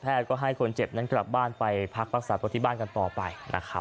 ก็ให้คนเจ็บนั้นกลับบ้านไปพักรักษาตัวที่บ้านกันต่อไปนะครับ